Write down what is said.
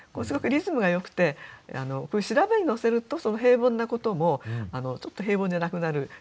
すごくリズムがよくて調べに乗せるとその平凡なこともちょっと平凡じゃなくなる